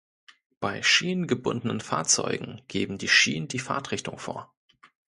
Bei schienengebundenen Fahrzeugen geben die Schienen die Fahrtrichtung vor.